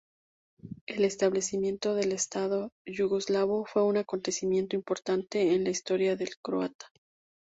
El establecimiento del estado yugoslavo fue un acontecimiento importante en la historia del croata.